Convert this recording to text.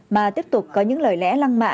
mà tiếp tục có những lời lẽ lăng mạ